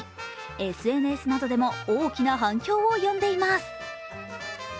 ＳＮＳなどでも大きな反響を呼んでいます。